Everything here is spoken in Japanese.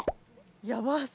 やばそう。